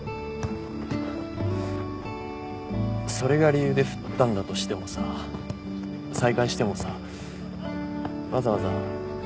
それが理由で振ったんだとしてもさ再会してもさわざわざ